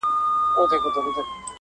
او که نه نو عاقبت به یې د خره وي!.